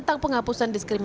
tanpa enak assalamualaikum